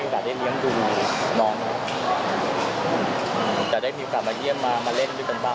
เขาจะอย่าหาเข้ามา